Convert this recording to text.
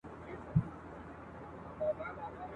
زما د سر امان دي وي لویه واکمنه !.